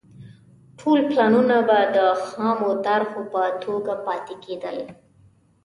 ټول پلانونه به د خامو طرحو په توګه پاتې کېدل